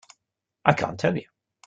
I cannot tell you.